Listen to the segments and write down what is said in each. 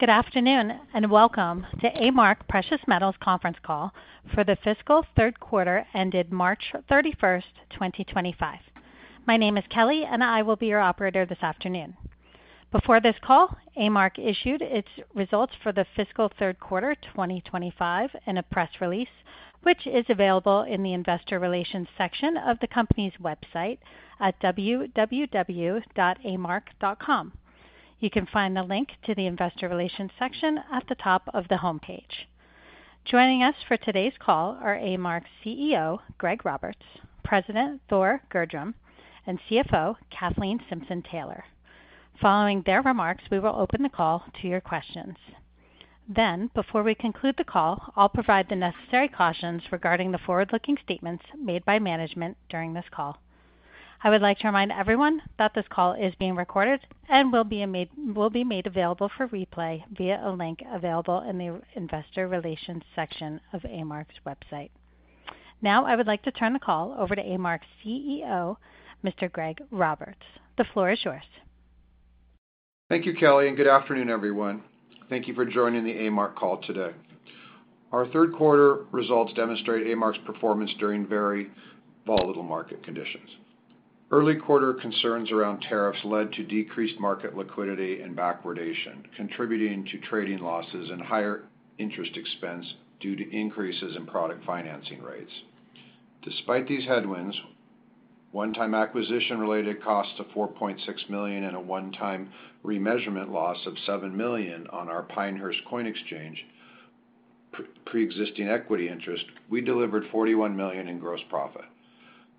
Good afternoon and welcome to A-Mark Precious Metals conference call for the fiscal third quarter ended March 31, 2025. My name is Kelly, and I will be your operator this afternoon. Before this call, A-Mark issued its results for the fiscal third quarter 2025 in a press release, which is available in the investor relations section of the company's website at www.amark.com. You can find the link to the investor relations section at the top of the homepage. Joining us for today's call are A-Mark's CEO, Greg Roberts, President Thor Gjerdrum, and CFO Kathleen Simpson-Taylor. Following their remarks, we will open the call to your questions. Before we conclude the call, I'll provide the necessary cautions regarding the forward-looking statements made by management during this call. I would like to remind everyone that this call is being recorded and will be made available for replay via a link available in the investor relations section of A-Mark's website. Now, I would like to turn the call over to A-Mark's CEO, Mr. Greg Roberts. The floor is yours. Thank you, Kelly, and good afternoon, everyone. Thank you for joining the A-Mark call today. Our third quarter results demonstrate A-Mark's performance during very volatile market conditions. Early quarter concerns around tariffs led to decreased market liquidity and backwardation, contributing to trading losses and higher interest expense due to increases in product financing rates. Despite these headwinds, one-time acquisition-related costs of $4.6 million and a one-time remeasurement loss of $7 million on our Pinehurst Coin Exchange pre-existing equity interest, we delivered $41 million in gross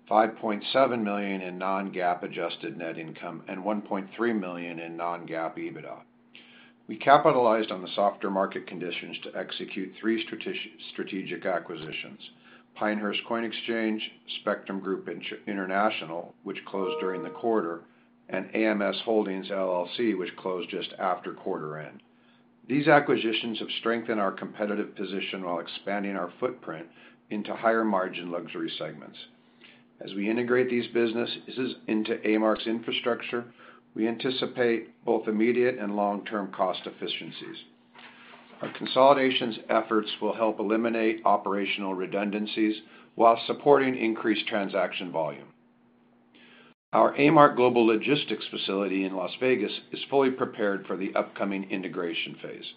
profit, $5.7 million in non-GAAP adjusted net income, and $1.3 million in non-GAAP EBITDA. We capitalized on the softer market conditions to execute three strategic acquisitions: Pinehurst Coin Exchange, Spectrum Group International, which closed during the quarter, and AMS Holdings LLC, which closed just after quarter end. These acquisitions have strengthened our competitive position while expanding our footprint into higher-margin luxury segments. As we integrate these businesses into A-Mark's infrastructure, we anticipate both immediate and long-term cost efficiencies. Our consolidation efforts will help eliminate operational redundancies while supporting increased transaction volume. Our A-Mark Global Logistics facility in Las Vegas is fully prepared for the upcoming integration phase.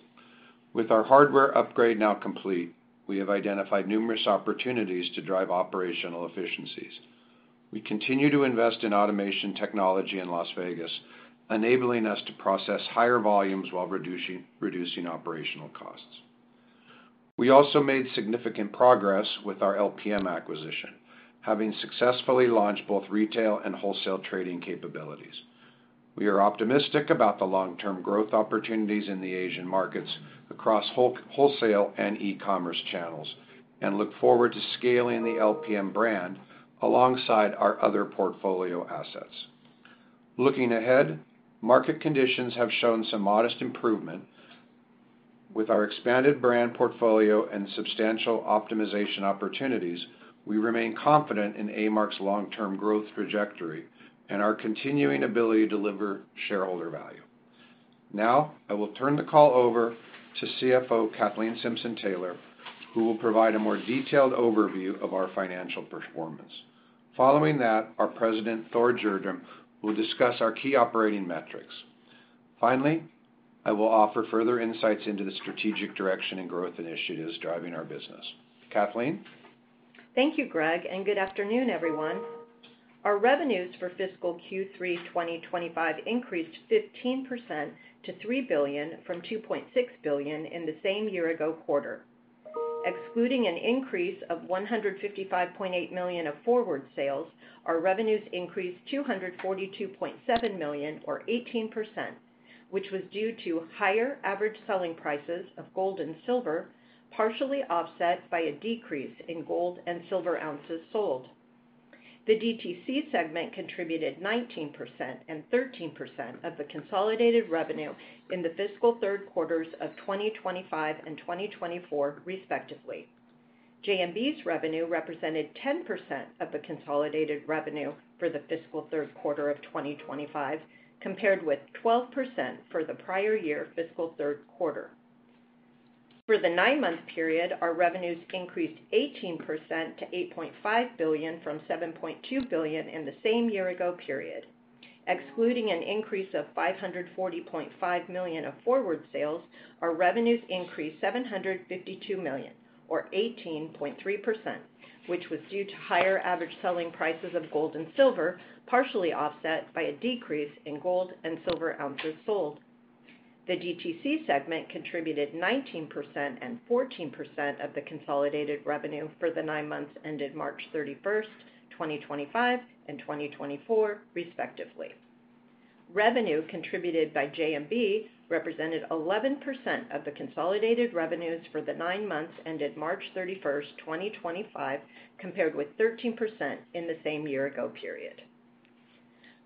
With our hardware upgrade now complete, we have identified numerous opportunities to drive operational efficiencies. We continue to invest in automation technology in Las Vegas, enabling us to process higher volumes while reducing operational costs. We also made significant progress with our LPM acquisition, having successfully launched both retail and wholesale trading capabilities. We are optimistic about the long-term growth opportunities in the Asian markets across wholesale and e-commerce channels and look forward to scaling the LPM brand alongside our other portfolio assets. Looking ahead, market conditions have shown some modest improvement. With our expanded brand portfolio and substantial optimization opportunities, we remain confident in A-Mark's long-term growth trajectory and our continuing ability to deliver shareholder value. Now, I will turn the call over to CFO Kathleen Simpson-Taylor, who will provide a more detailed overview of our financial performance. Following that, our President, Thor Gjerdrum, will discuss our key operating metrics. Finally, I will offer further insights into the strategic direction and growth initiatives driving our business. Kathleen? Thank you, Greg, and good afternoon, everyone. Our revenues for fiscal Q3 2025 increased 15% to $3 billion from $2.6 billion in the same year-ago quarter. Excluding an increase of $155.8 million of forward sales, our revenues increased $242.7 million, or 18%, which was due to higher average selling prices of gold and silver, partially offset by a decrease in gold and silver ounces sold. The DTC segment contributed 19% and 13% of the consolidated revenue in the fiscal third quarters of 2025 and 2024, respectively. JMB's revenue represented 10% of the consolidated revenue for the fiscal third quarter of 2025, compared with 12% for the prior year fiscal third quarter. For the nine-month period, our revenues increased 18% to $8.5 billion from $7.2 billion in the same year-ago period. Excluding an increase of $540.5 million of forward sales, our revenues increased $752 million, or 18.3%, which was due to higher average selling prices of gold and silver, partially offset by a decrease in gold and silver ounces sold. The DTC segment contributed 19% and 14% of the consolidated revenue for the nine months ended March 31, 2025 and 2024, respectively. Revenue contributed by JMB represented 11% of the consolidated revenues for the nine months ended March 31, 2025, compared with 13% in the same year-ago period.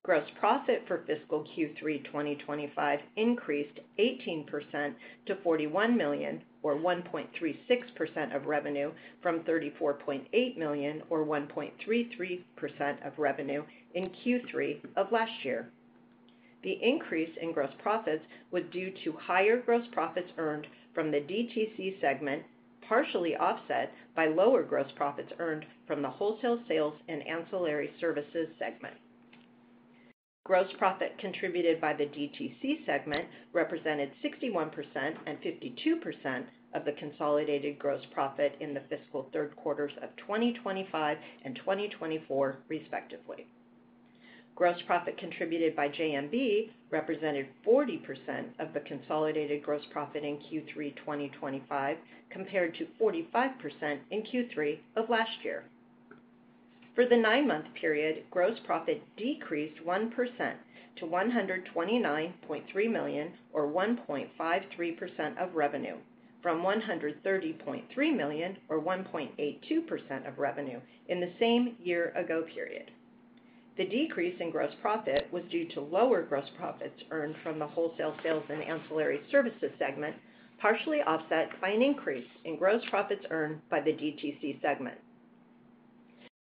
Gross profit for fiscal Q3 2025 increased 18% to $41 million, or 1.36% of revenue from $34.8 million, or 1.33% of revenue in Q3 of last year. The increase in gross profits was due to higher gross profits earned from the DTC segment, partially offset by lower gross profits earned from the wholesale sales and ancillary services segment. Gross profit contributed by the DTC segment represented 61% and 52% of the consolidated gross profit in the fiscal third quarters of 2025 and 2024, respectively. Gross profit contributed by JMB represented 40% of the consolidated gross profit in Q3 2025, compared to 45% in Q3 of last year. For the nine-month period, gross profit decreased 1% to $129.3 million, or 1.53% of revenue, from $130.3 million, or 1.82% of revenue in the same year-ago period. The decrease in gross profit was due to lower gross profits earned from the wholesale sales and ancillary services segment, partially offset by an increase in gross profits earned by the DTC segment.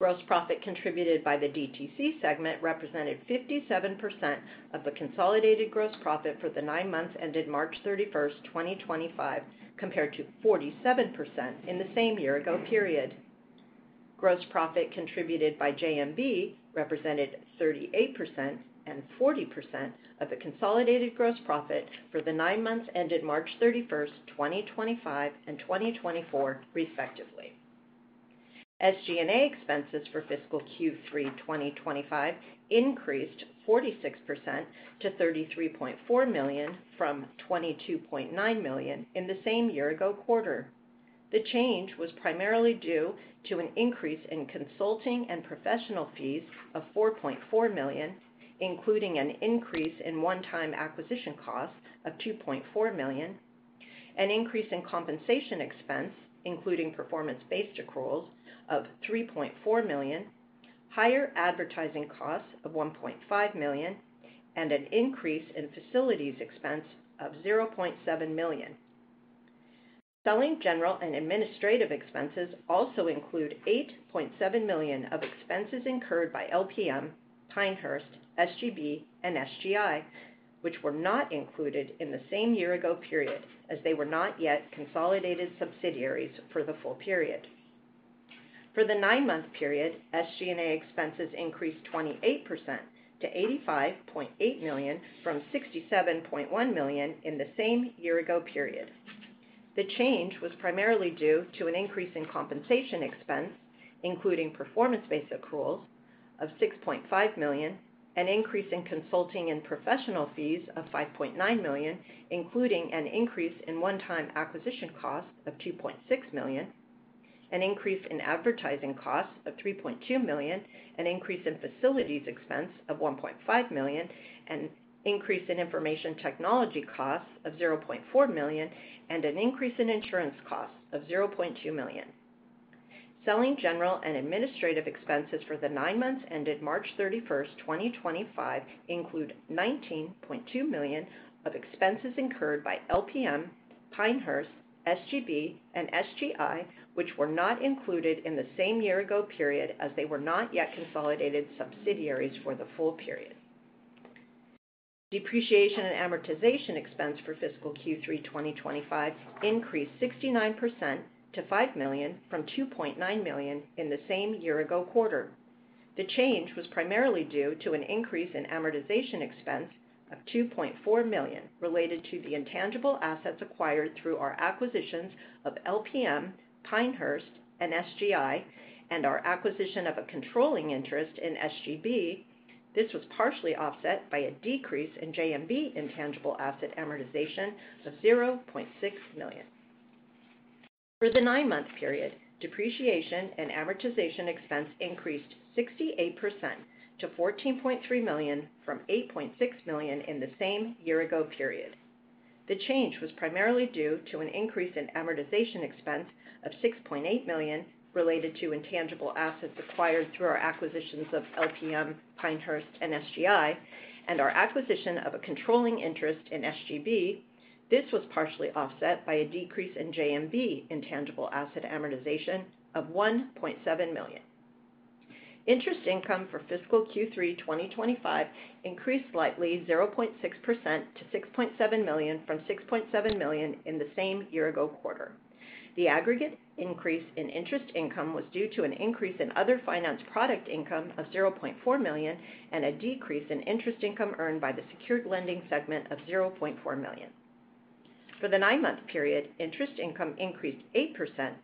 Gross profit contributed by the DTC segment represented 57% of the consolidated gross profit for the nine months ended March 31, 2025, compared to 47% in the same year-ago period. Gross profit contributed by JMB represented 38% and 40% of the consolidated gross profit for the nine months ended March 31, 2025 and 2024, respectively. SG&A expenses for fiscal Q3 2025 increased 46% to $33.4 million from $22.9 million in the same year-ago quarter. The change was primarily due to an increase in consulting and professional fees of $4.4 million, including an increase in one-time acquisition costs of $2.4 million, an increase in compensation expense, including performance-based accruals of $3.4 million, higher advertising costs of $1.5 million, and an increase in facilities expense of $0.7 million. Selling, general, and administrative expenses also include million of expenses incurred by LPM, Pinehurst, of $2.4 million related to the intangible assets acquired through our acquisitions of LPM, Pinehurst, and SGI, and our acquisition of a controlling interest in SGB. This was partially offset by a decrease in JMB intangible asset amortization of $0.6 million. For the nine-month period, depreciation and amortization expense increased 68% to $14.3 million from $8.6 million in the same year-ago period. The change was primarily due to an increase in amortization expense of $6.8 million related to intangible assets acquired through our acquisitions of LPM, Pinehurst, and SGI, and our acquisition of a controlling interest in SGB. This was partially offset by a decrease in JMB intangible asset amortization of $1.7 million. Interest income for fiscal Q3 2025 increased slightly 0.6% to $6.7 million from $6.7 million in the same year-ago quarter. The aggregate increase in interest income was due to an increase in other finance product income of $0.4 million and a decrease in interest income earned by the secured lending segment of $0.4 million. For the nine-month period, interest income increased 8%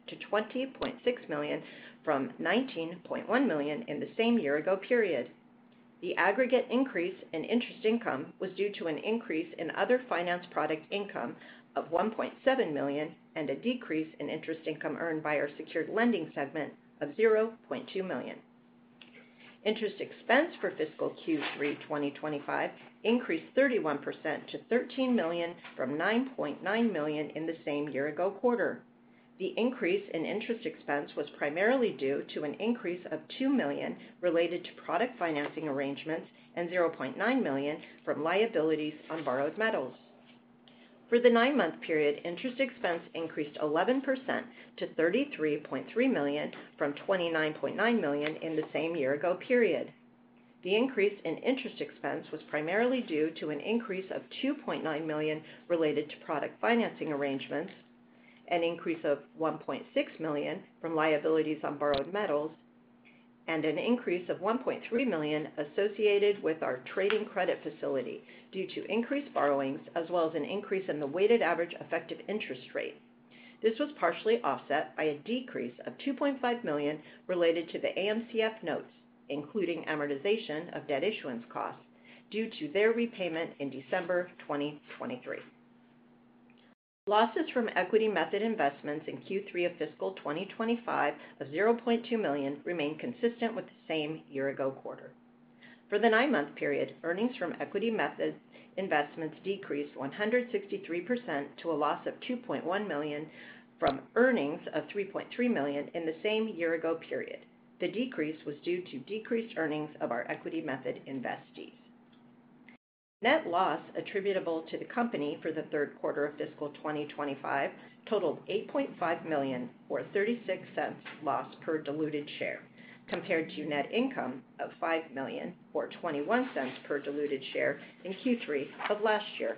to $20.6 million from $19.1 million in the same year-ago period. The aggregate increase in interest income was due to an increase in other finance product income of $1.7 million and a decrease in interest income earned by our secured lending segment of $0.2 million. Interest expense for fiscal Q3 2025 increased 31% to $13 million from $9.9 million in the same year-ago quarter. The increase in interest expense was primarily due to an increase of $2 million related to product financing arrangements and $0.9 million from liabilities on borrowed metals. For the nine-month period, interest expense increased 11% to $33.3 million from $29.9 million in the same year-ago period. The increase in interest expense was primarily due to an increase of $2.9 million related to product financing arrangements, an increase of $1.6 million from liabilities on borrowed metals, and an increase of $1.3 million associated with our trading credit facility due to increased borrowings, as well as an increase in the weighted average effective interest rate. This was partially offset by a decrease of $2.5 million related to the AMCF notes, including amortization of debt issuance costs due to their repayment in December 2023. Losses from Equity Method Investments in Q3 of fiscal 2025 of $0.2 million remain consistent with the same year-ago quarter. For the nine-month period, earnings from Equity Method Investments decreased 163% to a loss of $2.1 million from earnings of $3.3 million in the same year-ago period. The decrease was due to decreased earnings of our Equity Method Investees. Net loss attributable to the company for the third quarter of fiscal 2025 totaled $8.5 million, or $0.36 loss per diluted share, compared to net income of $5 million, or $0.21 per diluted share in Q3 of last year.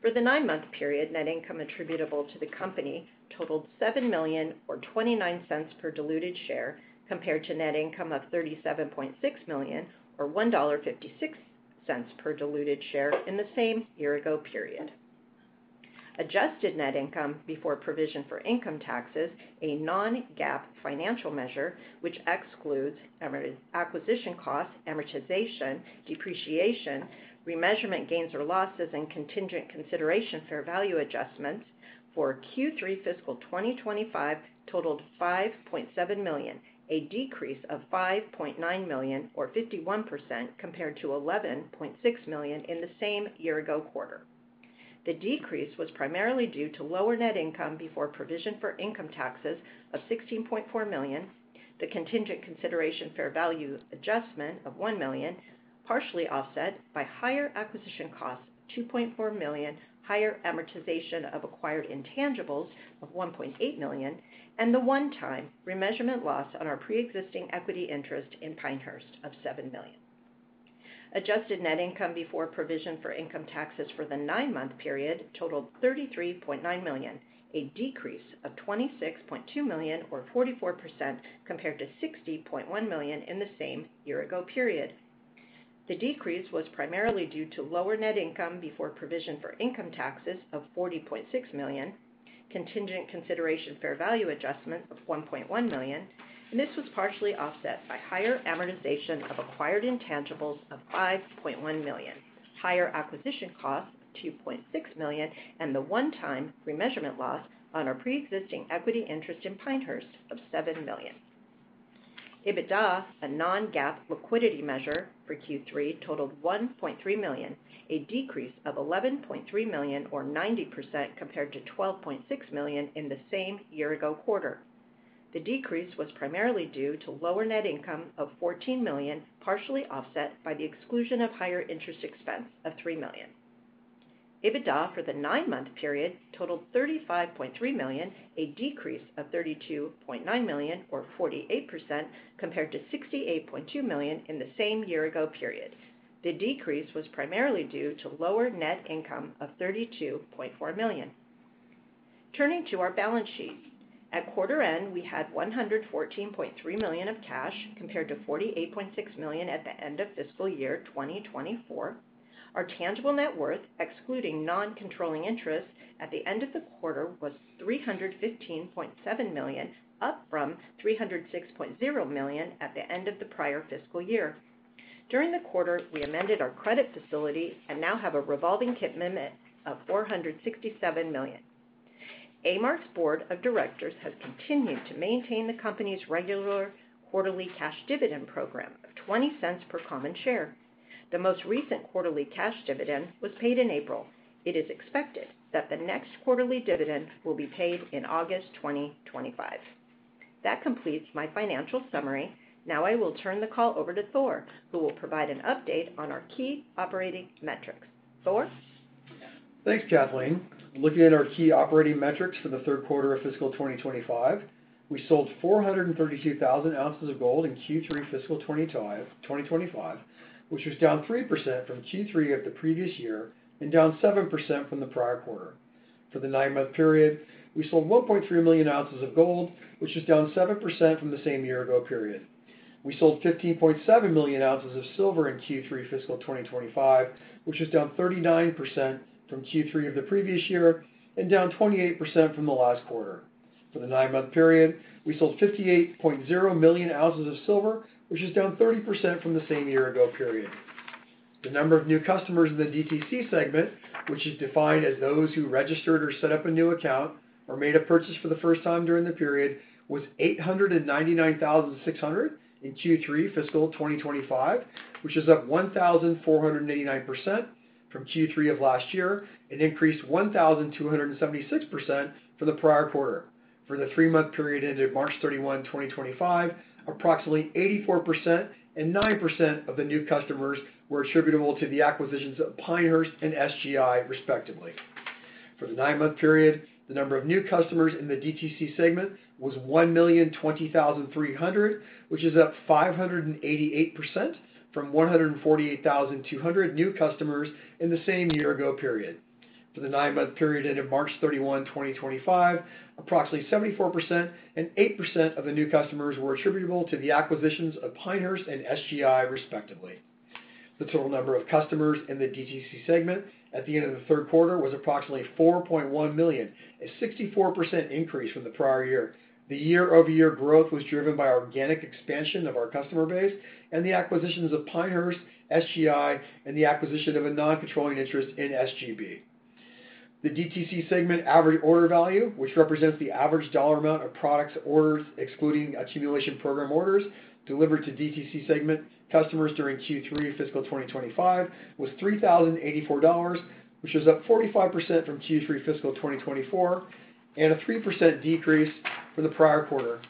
For the nine-month period, net income attributable to the company totaled $7 million, or $0.29 per diluted share, compared to net income of $37.6 million, or $1.56 per diluted share in the same year-ago period. Adjusted net income before provision for income taxes, a non-GAAP financial measure, which excludes acquisition costs, amortization, depreciation, remeasurement gains or losses, and contingent consideration fair value adjustments for Q3 fiscal 2025 totaled $5.7 million, a decrease of $5.9 million, or 51%, compared to $11.6 million in the same year-ago quarter. The decrease was primarily due to lower net income before provision for income taxes of $16.4 million, the contingent consideration fair value adjustment of $1 million, partially offset by higher acquisition costs, $2.4 million, higher amortization of acquired intangibles of $1.8 million, and the one-time remeasurement loss on our pre-existing equity interest in Pinehurst Coin Exchange of $7 million. Adjusted net income before provision for income taxes for the nine-month period totaled $33.9 million, a decrease of $26.2 million, or 44%, compared to $60.1 million in the same year-ago period. The decrease was primarily due to lower net income before provision for income taxes of $40.6 million, contingent consideration fair value adjustment of $1.1 million, and this was partially offset by higher amortization of acquired intangibles of $5.1 million, higher acquisition costs of $2.6 million, and the one-time remeasurement loss on our pre-existing equity interest in Pinehurst of $7 million. EBITDA, a non-GAAP liquidity measure for Q3, totaled $1.3 million, a decrease of $11.3 million, or 90%, compared to $12.6 million in the same year-ago quarter. The decrease was primarily due to lower net income of $14 million, partially offset by the exclusion of higher interest expense of $3 million. EBITDA for the nine-month period totaled $35.3 million, a decrease of $32.9 million, or 48%, compared to $68.2 million in the same year-ago period. The decrease was primarily due to lower net income of $32.4 million. Turning to our balance sheet, at quarter end, we had $114.3 million of cash, compared to $48.6 million at the end of fiscal year 2024. Our tangible net worth, excluding non-controlling interest at the end of the quarter, was $315.7 million, up from $306.0 million at the end of the prior fiscal year. During the quarter, we amended our credit facility and now have a revolving commitment of $467 million. A-Mark's Board of Directors has continued to maintain the company's regular quarterly cash dividend program of $0.20 per common share. The most recent quarterly cash dividend was paid in April. It is expected that the next quarterly dividend will be paid in August 2025. That completes my financial summary. Now I will turn the call over to Thor, who will provide an update on our key operating metrics. Thor? Thanks, Kathleen. Looking at our key operating metrics for the third quarter of fiscal 2025, we sold 432,000 ounces of gold in Q3 fiscal 2025, which was down 3% from Q3 of the previous year and down 7% from the prior quarter. For the nine-month period, we sold 1.3 million ounces of gold, which was down 7% from the same year-ago period. We sold 15.7 million ounces of silver in Q3 fiscal 2025, which was down 39% from Q3 of the previous year and down 28% from the last quarter. For the nine-month period, we sold 58.0 million ounces of silver, which was down 30% from the same year-ago period. The number of new customers in the DTC segment, which is defined as those who registered or set up a new account or made a purchase for the first time during the period, was 899,600 in Q3 fiscal 2025, which is up 1,489% from Q3 of last year and increased 1,276% from the prior quarter. For the three-month period ended March 31, 2025, approximately 84% and 9% of the new customers were attributable to the acquisitions of Pinehurst and SGI, respectively. For the nine-month period, the number of new customers in the DTC segment was 1,020,300, which is up 588% from 148,200 new customers in the same year-ago period. For the nine-month period ended March 31, 2025, approximately 74% and 8% of the new customers were attributable to the acquisitions of Pinehurst and SGI, respectively. The total number of customers in the DTC segment at the end of the third quarter was approximately 4.1 million, a 64% increase from the prior year. The year-over-year growth was driven by organic expansion of our customer base and the acquisitions of Pinehurst, SGI, and the acquisition of a non-controlling interest in SGB. The DTC segment average order value, which represents the average dollar amount of products orders excluding accumulation program orders delivered to DTC segment customers during Q3 fiscal 2025, was $3,084, which is up 45% from Q3 fiscal 2024 and a 3% decrease from the prior quarter.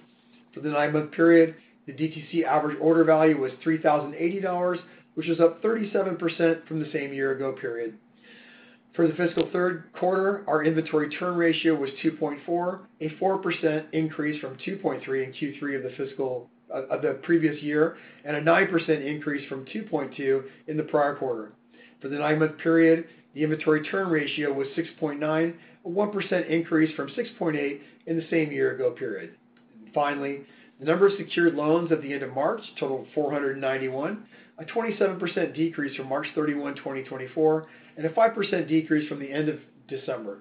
For the nine-month period, the DTC average order value was $3,080, which is up 37% from the same year-ago period. For the fiscal third quarter, our inventory turn ratio was 2.4, a 4% increase from 2.3 in Q3 of the previous year and a 9% increase from 2.2 in the prior quarter. For the nine-month period, the inventory turn ratio was 6.9, a 1% increase from 6.8 in the same year-ago period. Finally, the number of secured loans at the end of March totaled 491, a 27% decrease from March 31, 2023, and a 5% decrease from the end of December.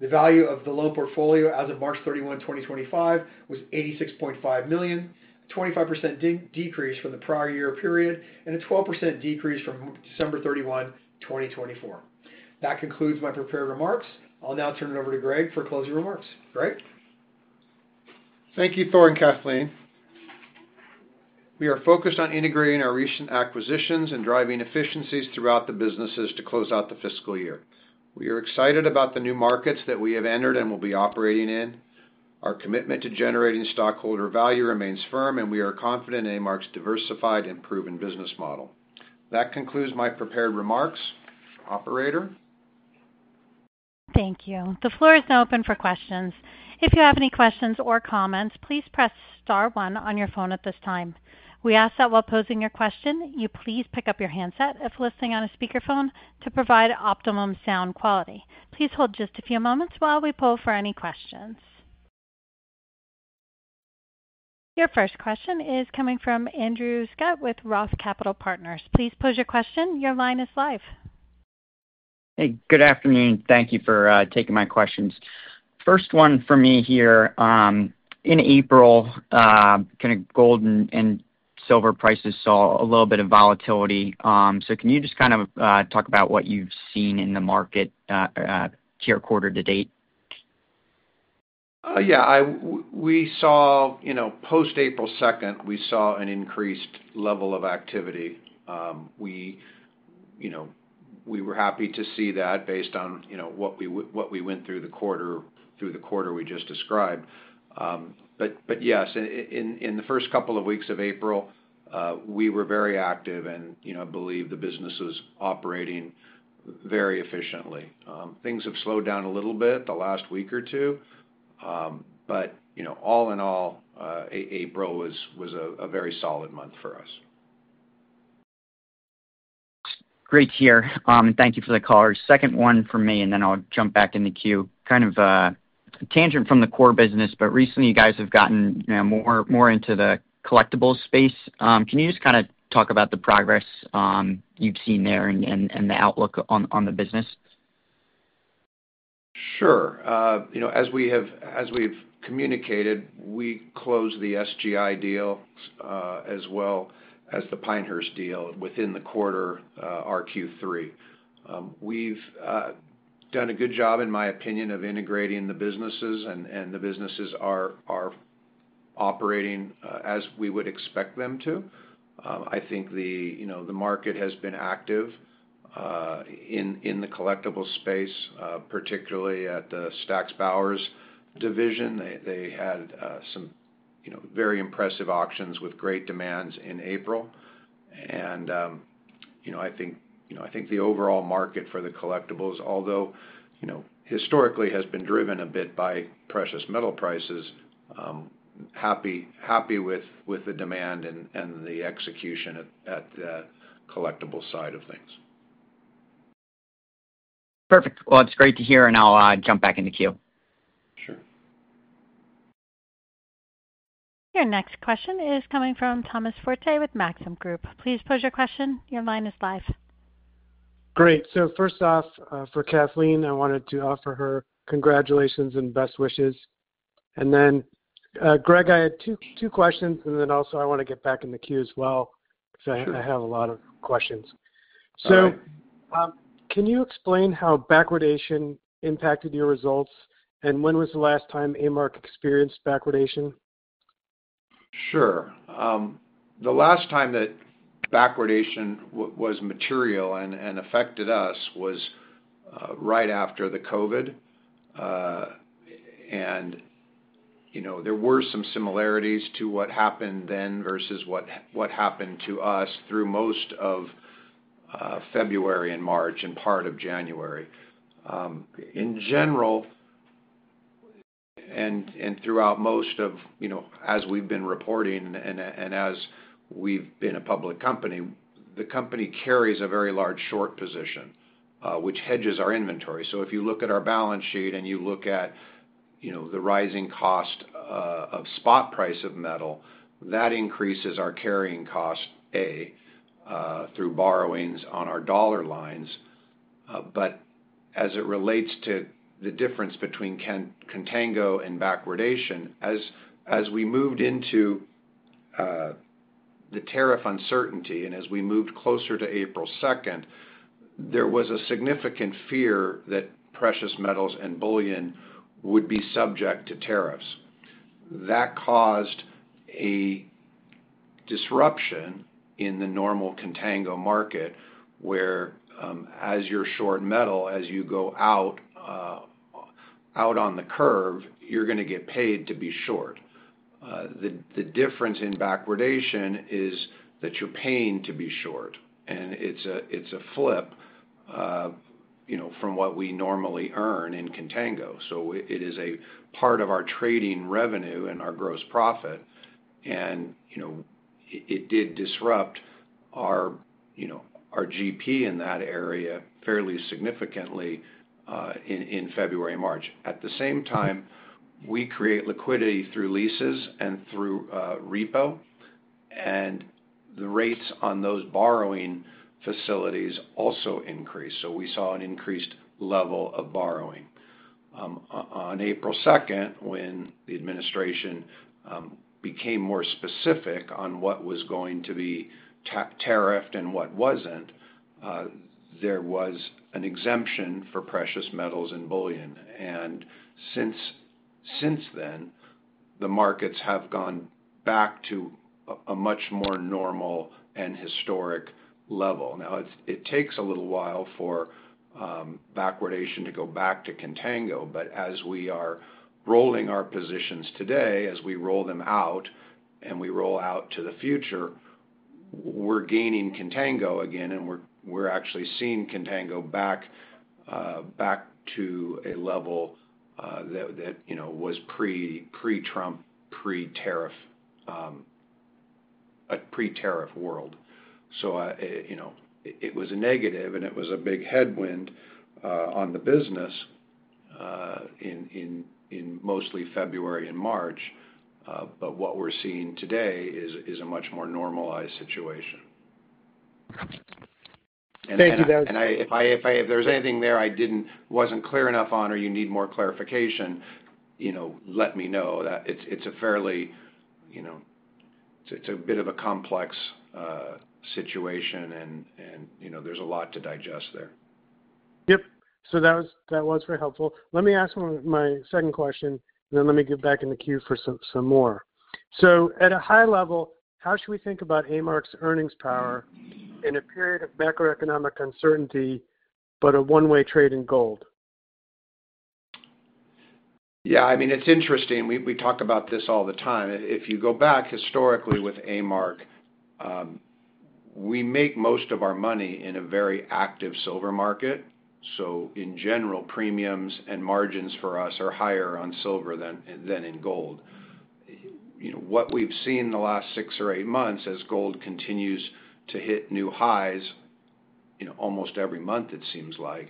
The value of the loan portfolio as of March 31, 2024, was $86.5 million, a 25% decrease from the prior year-ago period, and a 12% decrease from December 31, 2024. That concludes my prepared remarks. I'll now turn it over to Greg for closing remarks. Greg? Thank you, Thor and Kathleen. We are focused on integrating our recent acquisitions and driving efficiencies throughout the businesses to close out the fiscal year. We are excited about the new markets that we have entered and will be operating in. Our commitment to generating stockholder value remains firm, and we are confident in A-Mark's diversified and proven business model. That concludes my prepared remarks. Operator? Thank you. The floor is now open for questions. If you have any questions or comments, please press star one on your phone at this time. We ask that while posing your question, you please pick up your handset if listening on a speakerphone to provide optimum sound quality. Please hold just a few moments while we pull for any questions. Your first question is coming from Andrew Scott with Roth Capital Partners. Please pose your question. Your line is live. Hey, good afternoon. Thank you for taking my questions. First one for me here, in April, kind of gold and silver prices saw a little bit of volatility. Can you just kind of talk about what you've seen in the market tier quarter to date? Yeah. We saw post-April 2, we saw an increased level of activity. We were happy to see that based on what we went through the quarter we just described. Yes, in the first couple of weeks of April, we were very active, and I believe the business was operating very efficiently. Things have slowed down a little bit the last week or two, but all in all, April was a very solid month for us. Thanks. Great to hear. Thank you for the callers. Second one for me, and then I'll jump back in the queue. Kind of a tangent from the core business, but recently you guys have gotten more into the collectibles space. Can you just kind of talk about the progress you've seen there and the outlook on the business? Sure. As we have communicated, we closed the SGI deal as well as the Pinehurst deal within the quarter RQ3. We've done a good job, in my opinion, of integrating the businesses, and the businesses are operating as we would expect them to. I think the market has been active in the collectibles space, particularly at the Stack's Bowers division. They had some very impressive auctions with great demand in April. I think the overall market for the collectibles, although historically has been driven a bit by precious metal prices, I'm happy with the demand and the execution at the collectibles side of things. Perfect. It's great to hear, and I'll jump back in the queue. Sure. Your next question is coming from Thomas Forte with Maxim Group. Please pose your question. Your line is live. Great. First off, for Kathleen, I wanted to offer her congratulations and best wishes. Then, Greg, I had two questions, and also I want to get back in the queue as well because I have a lot of questions. Can you explain how backwardation impacted your results, and when was the last time A-Mark experienced backwardation? Sure. The last time that backwardation was material and affected us was right after the COVID. There were some similarities to what happened then versus what happened to us through most of February and March and part of January. In general, and throughout most of as we've been reporting and as we've been a public company, the company carries a very large short position, which hedges our inventory. If you look at our balance sheet and you look at the rising cost of spot price of metal, that increases our carrying cost, A, through borrowings on our dollar lines. As it relates to the difference between contango and backwardation, as we moved into the tariff uncertainty and as we moved closer to April 2nd, there was a significant fear that precious metals and bullion would be subject to tariffs. That caused a disruption in the normal contango market where, as you're short metal, as you go out on the curve, you're going to get paid to be short. The difference in backwardation is that you're paying to be short, and it's a flip from what we normally earn in contango. It is a part of our trading revenue and our gross profit. It did disrupt our GP in that area fairly significantly in February and March. At the same time, we create liquidity through leases and through repo, and the rates on those borrowing facilities also increased. We saw an increased level of borrowing. On April 2, when the administration became more specific on what was going to be tariffed and what was not, there was an exemption for precious metals and bullion. Since then, the markets have gone back to a much more normal and historic level. Now, it takes a little while for backwardation to go back to contango, but as we are rolling our positions today, as we roll them out and we roll out to the future, we're gaining contango again, and we're actually seeing contango back to a level that was pre-Trump, pre-tariff world. It was a negative, and it was a big headwind on the business in mostly February and March. What we're seeing today is a much more normalized situation. Thank you very much. If there's anything there I wasn't clear enough on or you need more clarification, let me know. It's a bit of a complex situation, and there's a lot to digest there. Yep. That was very helpful. Let me ask my second question, and then let me get back in the queue for some more. At a high level, how should we think about A-Mark's earnings power in a period of macroeconomic uncertainty but a one-way trade in gold? Yeah. I mean, it's interesting. We talk about this all the time. If you go back historically with A-Mark, we make most of our money in a very active silver market. In general, premiums and margins for us are higher on silver than in gold. What we've seen in the last six or eight months as gold continues to hit new highs almost every month, it seems like,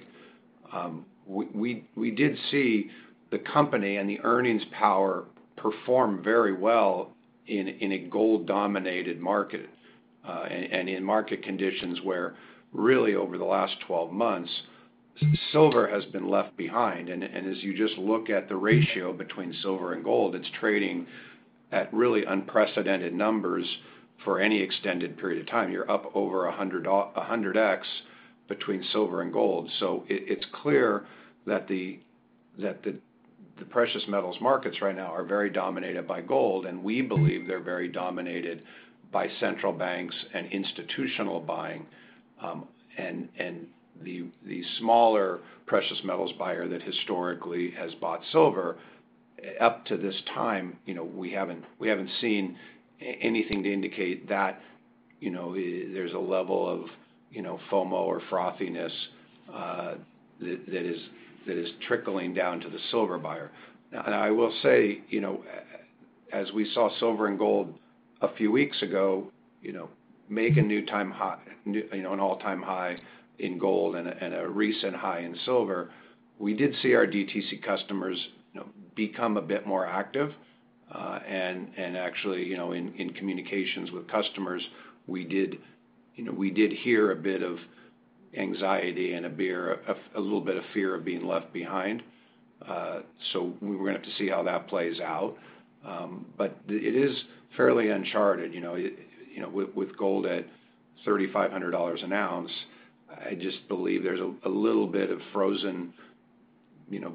we did see the company and the earnings power perform very well in a gold-dominated market and in market conditions where really over the last 12 months, silver has been left behind. As you just look at the ratio between silver and gold, it's trading at really unprecedented numbers for any extended period of time. You're up over 100x between silver and gold. It is clear that the precious metals markets right now are very dominated by gold, and we believe they're very dominated by central banks and institutional buying. The smaller precious metals buyer that historically has bought silver up to this time, we haven't seen anything to indicate that there's a level of FOMO or frothiness that is trickling down to the silver buyer. I will say, as we saw silver and gold a few weeks ago make a new time high, an all-time high in gold and a recent high in silver, we did see our DTC customers become a bit more active. Actually, in communications with customers, we did hear a bit of anxiety and a little bit of fear of being left behind. We're going to have to see how that plays out. It is fairly uncharted. With gold at $3,500 an ounce, I just believe there's a little bit of frozen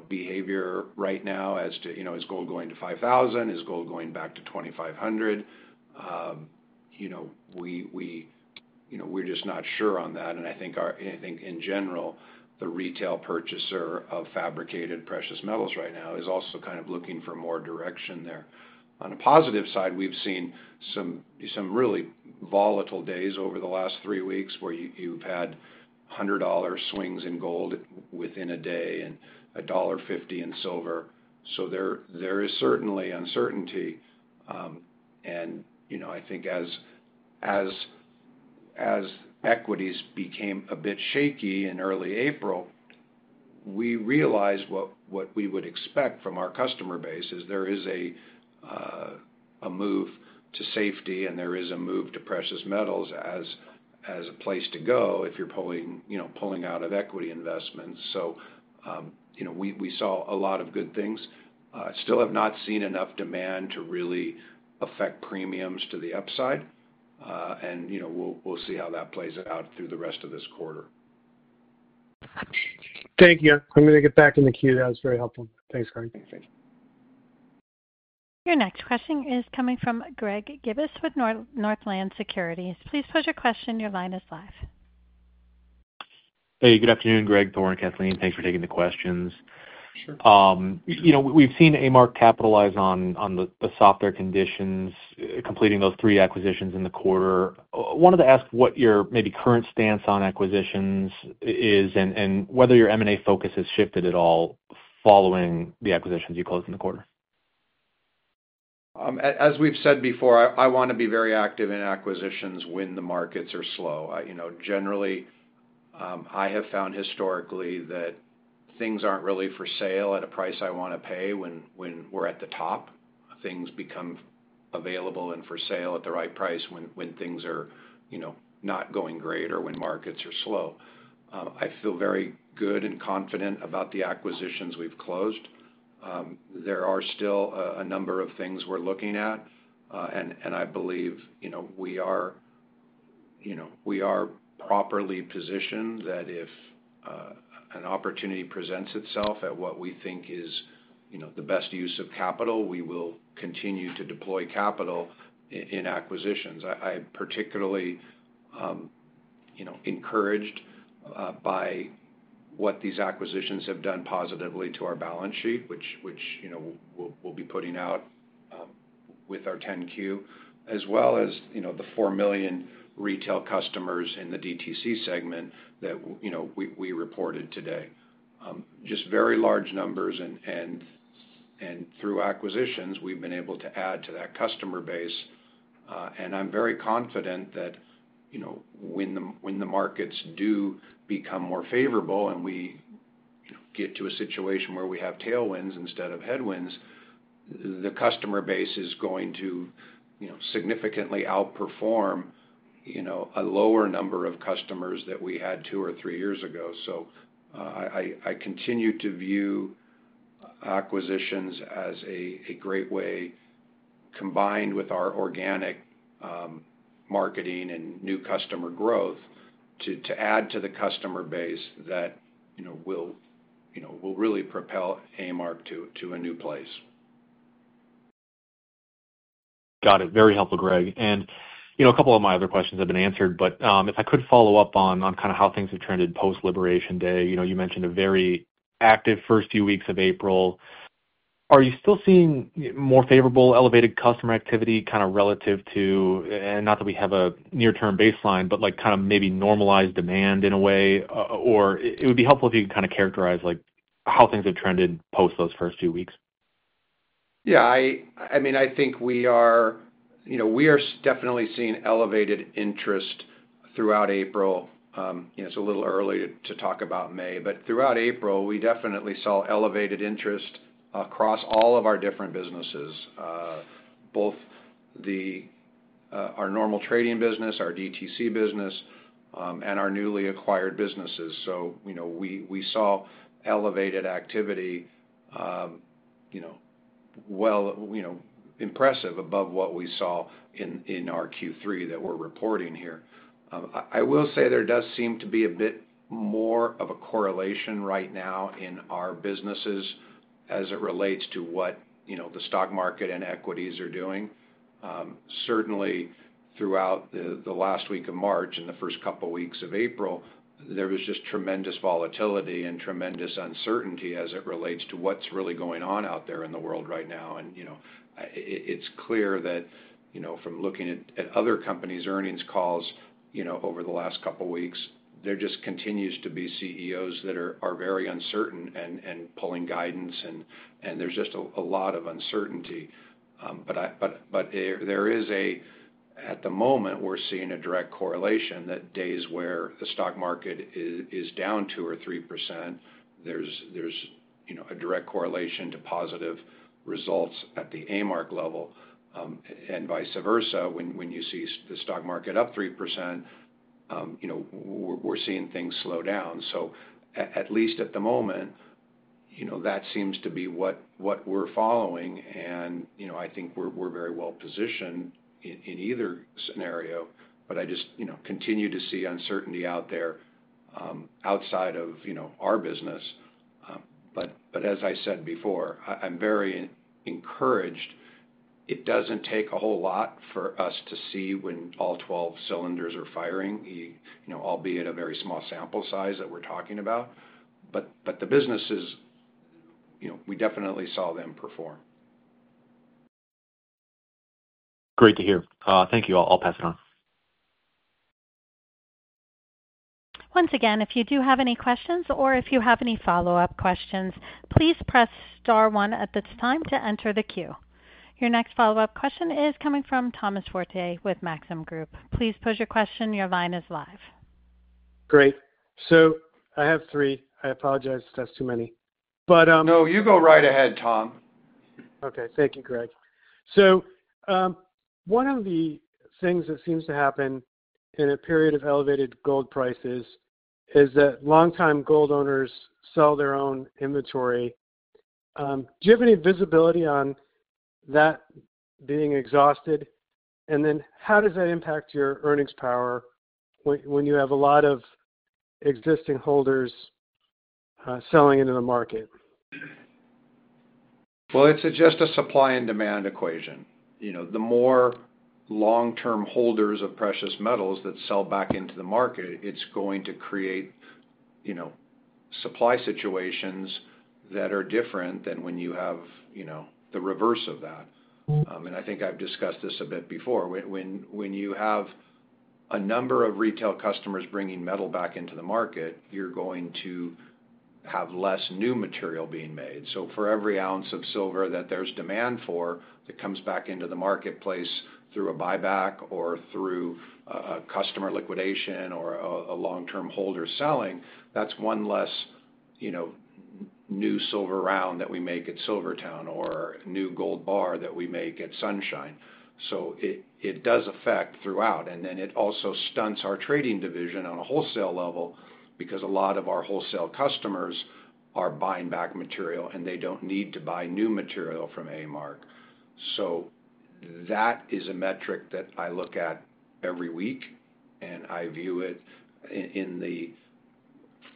behavior right now as to, is gold going to $5,000? Is gold going back to $2,500? We're just not sure on that. I think, in general, the retail purchaser of fabricated precious metals right now is also kind of looking for more direction there. On a positive side, we've seen some really volatile days over the last three weeks where you've had $100 swings in gold within a day and $1.50 in silver. There is certainly uncertainty. I think as equities became a bit shaky in early April, we realized what we would expect from our customer base is there is a move to safety and there is a move to precious metals as a place to go if you're pulling out of equity investments. So we saw a lot of good things. I still have not seen enough demand to really affect premiums to the upside. We'll see how that plays out through the rest of this quarter. Thank you. I'm going to get back in the queue. That was very helpful. Thanks, Greg. Thanks, Greg. Your next question is coming from Greg Gibas with Northland Securities. Please pose your question. Your line is live. Hey, good afternoon, Greg, Thor, and Kathleen. Thanks for taking the questions. We've seen A-Mark capitalize on the softer conditions, completing those three acquisitions in the quarter. I wanted to ask what your maybe current stance on acquisitions is and whether your M&A focus has shifted at all following the acquisitions you closed in the quarter. As we've said before, I want to be very active in acquisitions when the markets are slow. Generally, I have found historically that things aren't really for sale at a price I want to pay when we're at the top. Things become available and for sale at the right price when things are not going great or when markets are slow. I feel very good and confident about the acquisitions we've closed. There are still a number of things we're looking at, and I believe we are properly positioned that if an opportunity presents itself at what we think is the best use of capital, we will continue to deploy capital in acquisitions. I'm particularly encouraged by what these acquisitions have done positively to our balance sheet, which we'll be putting out with our 10-Q, as well as the 4 million retail customers in the DTC segment that we reported today. Just very large numbers, and through acquisitions, we've been able to add to that customer base. I am very confident that when the markets do become more favorable and we get to a situation where we have tailwinds instead of headwinds, the customer base is going to significantly outperform a lower number of customers that we had two or three years ago. I continue to view acquisitions as a great way, combined with our organic marketing and new customer growth, to add to the customer base that will really propel A-Mark to a new place. Got it. Very helpful, Greg. A couple of my other questions have been answered, but if I could follow up on kind of how things have trended post-liberation day, you mentioned a very active first few weeks of April. Are you still seeing more favorable elevated customer activity kind of relative to—not that we have a near-term baseline—but kind of maybe normalized demand in a way? Or it would be helpful if you could kind of characterize how things have trended post those first few weeks. Yeah. I mean, I think we are definitely seeing elevated interest throughout April. It's a little early to talk about May, but throughout April, we definitely saw elevated interest across all of our different businesses, both our normal trading business, our DTC business, and our newly acquired businesses. We saw elevated activity well impressive above what we saw in our Q3 that we're reporting here. I will say there does seem to be a bit more of a correlation right now in our businesses as it relates to what the stock market and equities are doing. Certainly, throughout the last week of March and the first couple of weeks of April, there was just tremendous volatility and tremendous uncertainty as it relates to what's really going on out there in the world right now. It is clear that from looking at other companies' earnings calls over the last couple of weeks, there just continues to be CEOs that are very uncertain and pulling guidance, and there's just a lot of uncertainty. There is a—at the moment, we're seeing a direct correlation that days where the stock market is down 2% or 3%, there's a direct correlation to positive results at the A-Mark level. Vice versa, when you see the stock market up 3%, we're seeing things slow down. At least at the moment, that seems to be what we're following. I think we're very well positioned in either scenario, but I just continue to see uncertainty out there outside of our business. As I said before, I'm very encouraged. It doesn't take a whole lot for us to see when all 12 cylinders are firing, albeit a very small sample size that we're talking about. The businesses, we definitely saw them perform. Great to hear. Thank you. I'll pass it on. Once again, if you do have any questions or if you have any follow-up questions, please press star one at this time to enter the queue. Your next follow-up question is coming from Thomas Forte with Maxim Group. Please pose your question. Your line is live. Great. I have three. I apologize if that's too many. No, you go right ahead, Tom. Okay. Thank you, Greg. One of the things that seems to happen in a period of elevated gold prices is that long-time gold owners sell their own inventory. Do you have any visibility on that being exhausted? How does that impact your earnings power when you have a lot of existing holders selling into the market? It's just a supply and demand equation. The more long-term holders of precious metals that sell back into the market, it's going to create supply situations that are different than when you have the reverse of that. I think I've discussed this a bit before. When you have a number of retail customers bringing metal back into the market, you're going to have less new material being made. For every ounce of silver that there is demand for that comes back into the marketplace through a buyback or through customer liquidation or a long-term holder selling, that is one less new silver round that we make at Silver Towne or a new gold bar that we make at Sunshine. It does affect throughout. It also stunts our trading division on a wholesale level because a lot of our wholesale customers are buying back material, and they do not need to buy new material from A-Mark. That is a metric that I look at every week, and I view it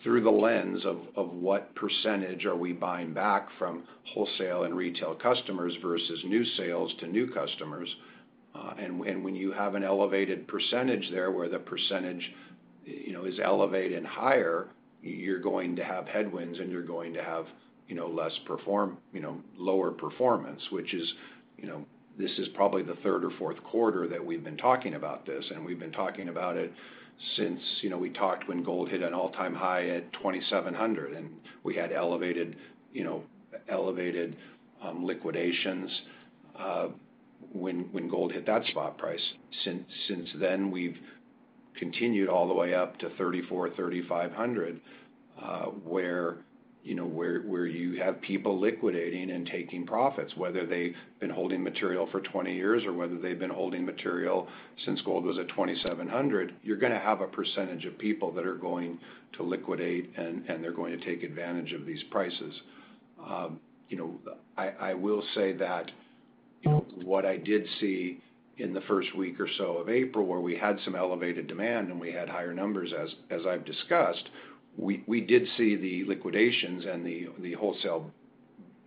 through the lens of what percentage we are buying back from wholesale and retail customers versus new sales to new customers. When you have an elevated percentage there where the percentage is elevated and higher, you're going to have headwinds, and you're going to have less lower performance, which is this is probably the third or fourth quarter that we've been talking about this. We've been talking about it since we talked when gold hit an all-time high at $2,700, and we had elevated liquidations when gold hit that spot price. Since then, we've continued all the way up to $3,400-$3,500, where you have people liquidating and taking profits, whether they've been holding material for 20 years or whether they've been holding material since gold was at $2,700. You're going to have a percentage of people that are going to liquidate, and they're going to take advantage of these prices. I will say that what I did see in the first week or so of April, where we had some elevated demand and we had higher numbers, as I've discussed, we did see the liquidations and the wholesale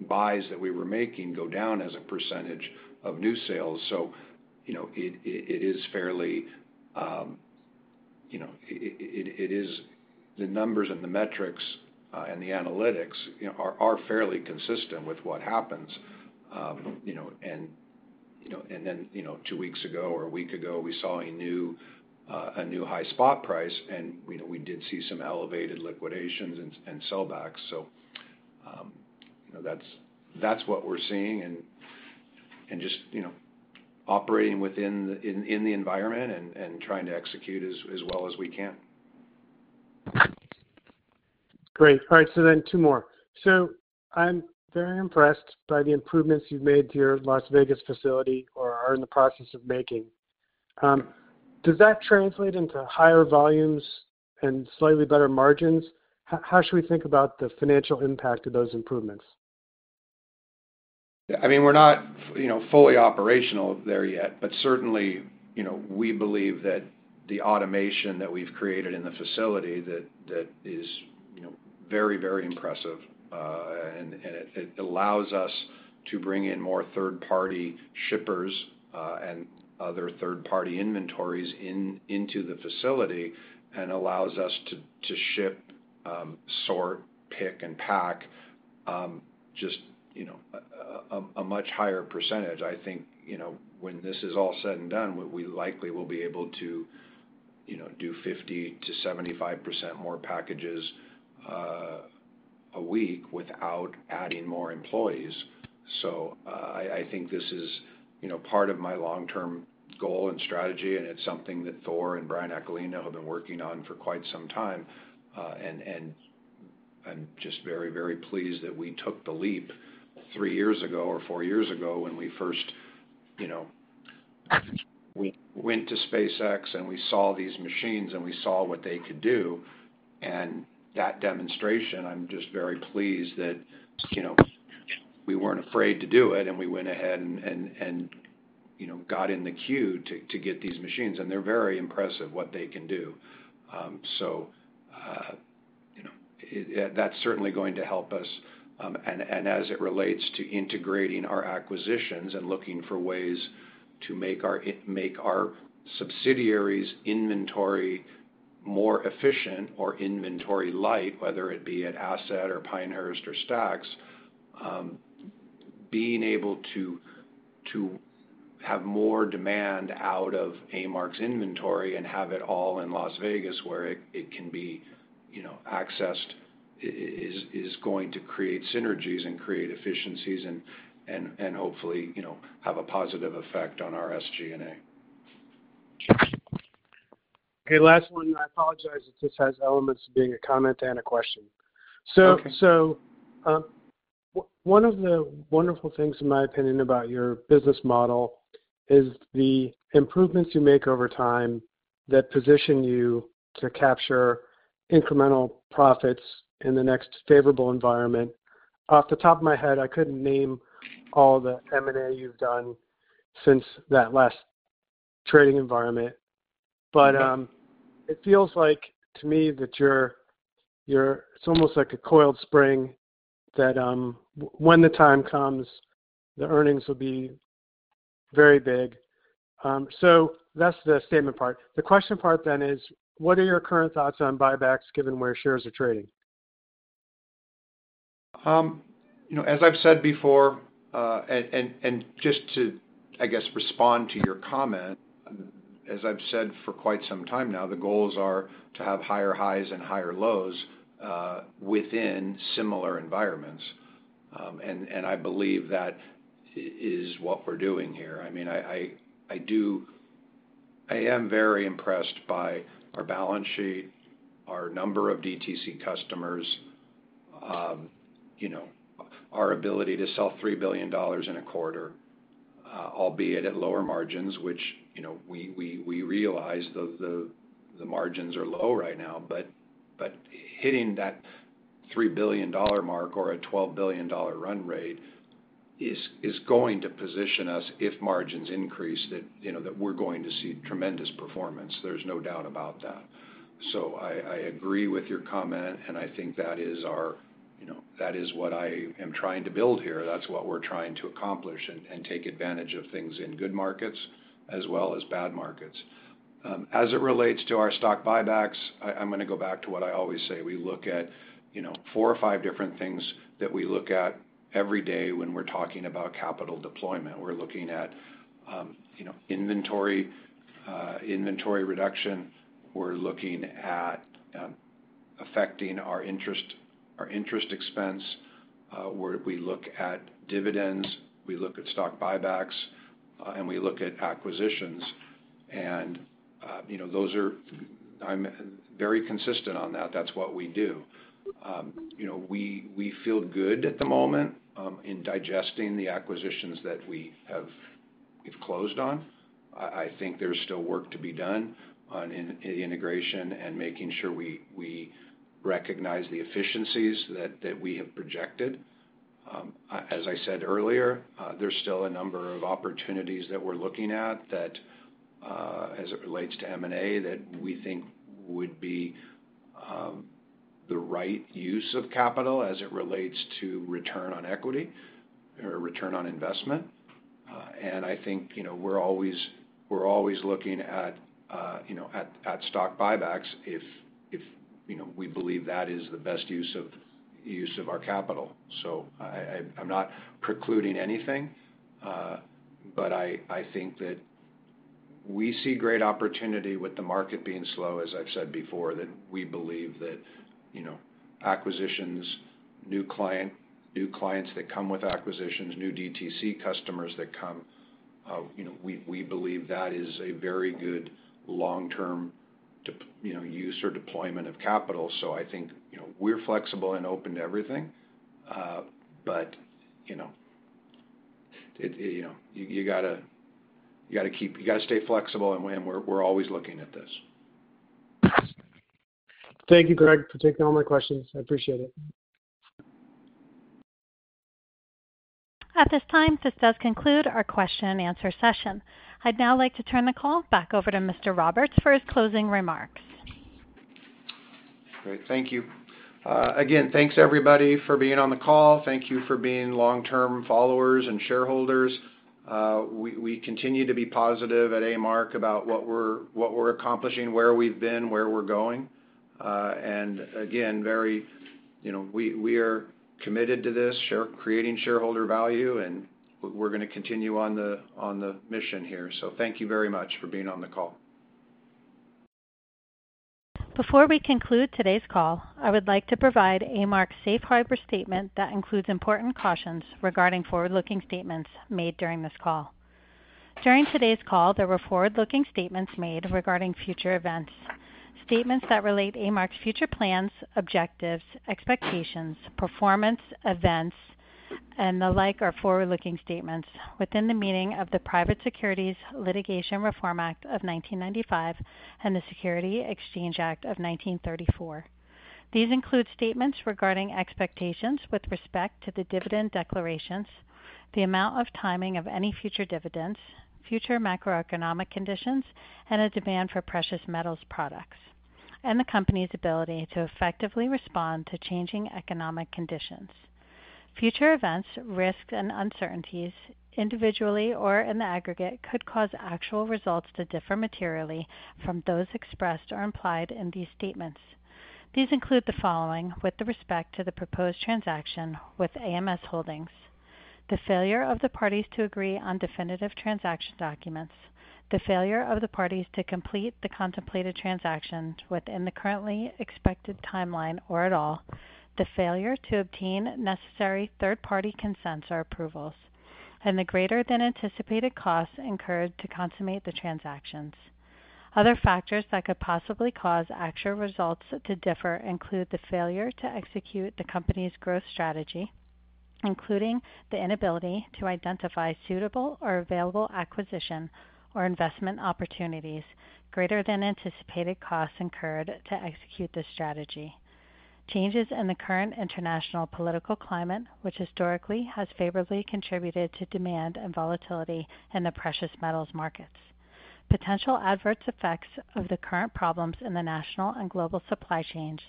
buys that we were making go down as a percentage of new sales. It is fairly—it is the numbers and the metrics and the analytics are fairly consistent with what happens. Two weeks ago or a week ago, we saw a new high spot price, and we did see some elevated liquidations and sellbacks. That is what we're seeing and just operating within the environment and trying to execute as well as we can. Great. All right. Two more. I am very impressed by the improvements you've made to your Las Vegas facility or are in the process of making. Does that translate into higher volumes and slightly better margins? How should we think about the financial impact of those improvements? I mean, we're not fully operational there yet, but certainly, we believe that the automation that we've created in the facility that is very, very impressive. It allows us to bring in more third-party shippers and other third-party inventories into the facility and allows us to ship, sort, pick, and pack just a much higher percentage. I think when this is all said and done, we likely will be able to do 50-75% more packages a week without adding more employees. I think this is part of my long-term goal and strategy, and it's something that Thor and Brian Acalino have been working on for quite some time. I am just very, very pleased that we took the leap three years ago or four years ago when we first went to SpaceX and we saw these machines and we saw what they could do. That demonstration, I am just very pleased that we were not afraid to do it, and we went ahead and got in the queue to get these machines. They are very impressive, what they can do. That is certainly going to help us. As it relates to integrating our acquisitions and looking for ways to make our subsidiaries' inventory more efficient or inventory light, whether it be at Asset or Pinehurst or Stack's, being able to have more demand out of A-Mark's inventory and have it all in Las Vegas where it can be accessed is going to create synergies and create efficiencies and hopefully have a positive effect on our SG&A. Okay. Last one. I apologize if this has elements of being a comment and a question. One of the wonderful things, in my opinion, about your business model is the improvements you make over time that position you to capture incremental profits in the next favorable environment. Off the top of my head, I could not name all the M&A you have done since that last trading environment. It feels like to me that you are, it is almost like a coiled spring that when the time comes, the earnings will be very big. That is the statement part. The question part then is, what are your current thoughts on buybacks given where shares are trading? As I have said before, and just to, I guess, respond to your comment, as I have said for quite some time now, the goals are to have higher highs and higher lows within similar environments. I believe that is what we're doing here. I mean, I am very impressed by our balance sheet, our number of DTC customers, our ability to sell $3 billion in a quarter, albeit at lower margins, which we realize the margins are low right now. Hitting that $3 billion mark or a $12 billion run rate is going to position us, if margins increase, that we're going to see tremendous performance. There's no doubt about that. I agree with your comment, and I think that is our—that is what I am trying to build here. That's what we're trying to accomplish and take advantage of things in good markets as well as bad markets. As it relates to our stock buybacks, I'm going to go back to what I always say. We look at four or five different things that we look at every day when we're talking about capital deployment. We're looking at inventory reduction. We're looking at affecting our interest expense. We look at dividends. We look at stock buybacks, and we look at acquisitions. I am very consistent on that. That's what we do. We feel good at the moment in digesting the acquisitions that we've closed on. I think there's still work to be done on integration and making sure we recognize the efficiencies that we have projected. As I said earlier, there's still a number of opportunities that we're looking at that, as it relates to M&A, that we think would be the right use of capital as it relates to return on equity or return on investment. I think we're always looking at stock buybacks if we believe that is the best use of our capital. I'm not precluding anything, but I think that we see great opportunity with the market being slow, as I've said before, that we believe that acquisitions, new clients that come with acquisitions, new DTC customers that come, we believe that is a very good long-term use or deployment of capital. I think we're flexible and open to everything, but you got to keep—you got to stay flexible, and we're always looking at this. Thank you, Greg, for taking all my questions. I appreciate it. At this time, this does conclude our question-and-answer session. I'd now like to turn the call back over to Mr. Roberts for his closing remarks. Great. Thank you. Again, thanks everybody for being on the call. Thank you for being long-term followers and shareholders. We continue to be positive at A-Mark about what we're accomplishing, where we've been, where we're going. Very—we are committed to this, creating shareholder value, and we're going to continue on the mission here. Thank you very much for being on the call. Before we conclude today's call, I would like to provide A-Mark's safe harbor statement that includes important cautions regarding forward-looking statements made during this call. During today's call, there were forward-looking statements made regarding future events, statements that relate A-Mark's future plans, objectives, expectations, performance, events, and the like are forward-looking statements within the meaning of the Private Securities Litigation Reform Act of 1995 and the Securities Exchange Act of 1934. These include statements regarding expectations with respect to the dividend declarations, the amount or timing of any future dividends, future macroeconomic conditions, and a demand for precious metals products, and the company's ability to effectively respond to changing economic conditions. Future events, risks, and uncertainties, individually or in the aggregate, could cause actual results to differ materially from those expressed or implied in these statements. These include the following with respect to the proposed transaction with AMS Holdings: the failure of the parties to agree on definitive transaction documents, the failure of the parties to complete the contemplated transaction within the currently expected timeline or at all, the failure to obtain necessary third-party consents or approvals, and the greater-than-anticipated costs incurred to consummate the transactions. Other factors that could possibly cause actual results to differ include the failure to execute the company's growth strategy, including the inability to identify suitable or available acquisition or investment opportunities, greater-than-anticipated costs incurred to execute the strategy, changes in the current international political climate, which historically has favorably contributed to demand and volatility in the precious metals markets, potential adverse effects of the current problems in the national and global supply chains,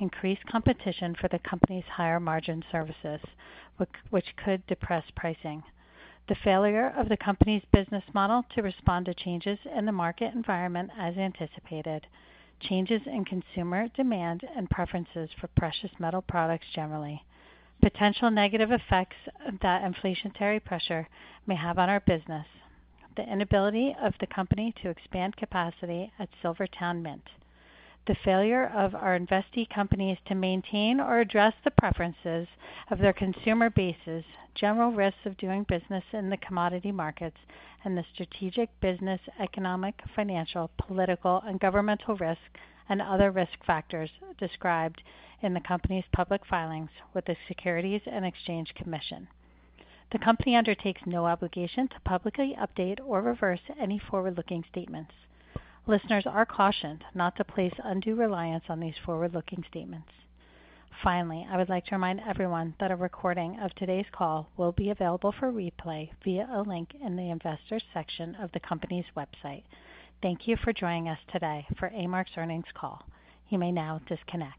increased competition for the company's higher-margin services, which could depress pricing, the failure of the company's business model to respond to changes in the market environment as anticipated, changes in consumer demand and preferences for precious metal products generally, potential negative effects that inflationary pressure may have on our business, the inability of the company to expand capacity at Silver Towne Mint, the failure of our investee companies to maintain or address the preferences of their consumer bases, general risks of doing business in the commodity markets, and the strategic business, economic, financial, political, and governmental risks, and other risk factors described in the company's public filings with the Securities and Exchange Commission. The company undertakes no obligation to publicly update or reverse any forward-looking statements. Listeners are cautioned not to place undue reliance on these forward-looking statements. Finally, I would like to remind everyone that a recording of today's call will be available for replay via a link in the investor section of the company's website. Thank you for joining us today for A-Mark's earnings call. You may now disconnect.